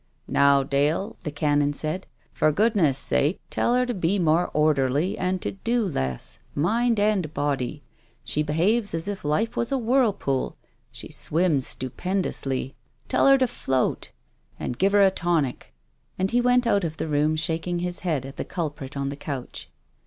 " Now, Dale," the Canon said, " for goodness' sake tell her to be more orderly and to do less — mind and body. She behaves as if life was a whirlpool. She swims stupendously, tell her to float — and give her a tonic." And he went out of the room shaking his head at the culprit on the couch.